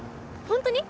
本当に？